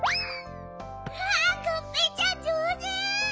わあがんぺーちゃんじょうず！